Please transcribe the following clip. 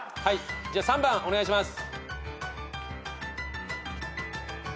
じゃあ３番お願いします。